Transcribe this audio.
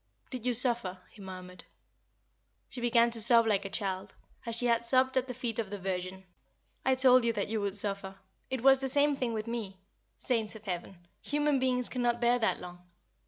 "Did you suffer?" he murmured. She began to sob like a child, as she had sobbed at the feet of the Virgin. "I told you that you would suffer! It was the same thing with me. Saints of Heaven! human beings cannot bear that long.